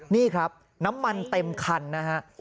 นี่ครับน้ำมันเต็มคันนะฮะ